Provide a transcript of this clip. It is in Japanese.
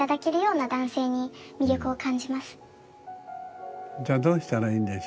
やはりじゃあどうしたらいいんでしょうね？